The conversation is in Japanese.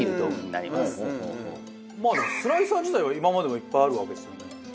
まあスライサー自体は今までもいっぱいあるわけですよね。